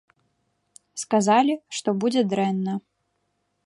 Сказалі, што будзе дрэнна.